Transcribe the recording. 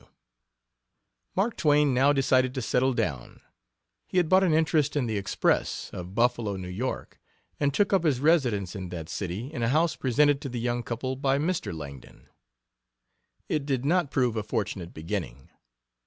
W.] Mark Twain now decided to settle down. He had bought an interest in the Express, of Buffalo, New York, and took up his residence in that city in a house presented to the young couple by Mr. Langdon. It did not prove a fortunate beginning.